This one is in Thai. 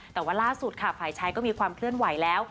แต่ว่าล่าสุดค่ะฝ่ายชายก็มีความเคลื่อนไหวแล้ว